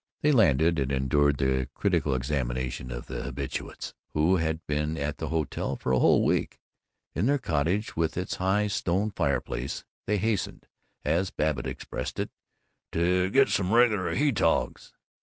They landed, and endured the critical examination of the habitués who had been at the hotel for a whole week. In their cottage, with its high stone fireplace, they hastened, as Babbitt expressed it, to "get into some regular he togs."